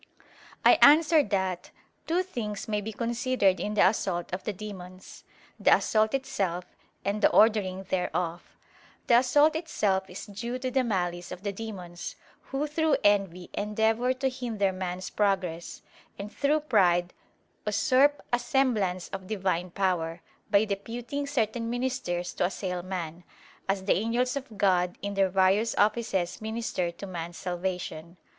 I answer that, Two things may be considered in the assault of the demons the assault itself, and the ordering thereof. The assault itself is due to the malice of the demons, who through envy endeavor to hinder man's progress; and through pride usurp a semblance of Divine power, by deputing certain ministers to assail man, as the angels of God in their various offices minister to man's salvation.